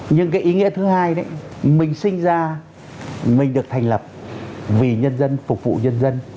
nhưng cái ý nghĩa thứ hai đấy mình sinh ra mình được thành lập vì nhân dân phục vụ nhân dân